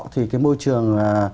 thì cái môi trường